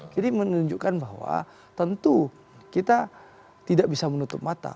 jadi menunjukkan bahwa tentu kita tidak bisa menutup mata